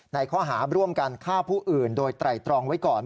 ในข้อหาร่วมกันฆ่าผู้อื่นโดยไตรตรองไว้ก่อน